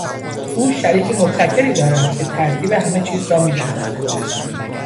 او شریک مبتکری دارد که ترتیب همه چیز را میدهد.